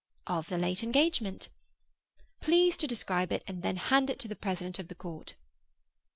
'Of the late engagement.' 'Please to describe it, and then hand it to the president of the court.